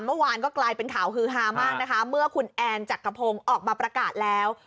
เมื่อวานก็กลายเป็นข่าวฮือฮามากนะคะเมื่อคุณแอนจักรพงศ์ออกมาประกาศแล้ว